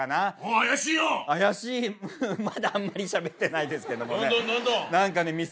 まだあんまりしゃべってないですけどもね。